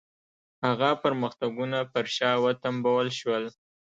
هغه پرمختګونه پر شا وتمبول شول.